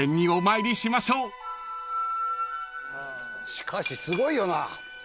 しかしすごいよな。